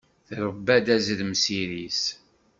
Trebba-d azrem s iri-s.